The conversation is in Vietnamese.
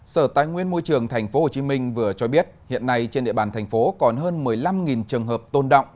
sở tài nguyên môi trường tp hcm vừa cho biết hiện nay trên địa bàn thành phố còn hơn một mươi năm trường hợp tồn động